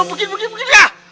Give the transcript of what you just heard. pergi pergi pergi